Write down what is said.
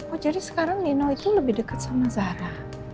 oh jadi sekarang nino itu lebih deket sama zara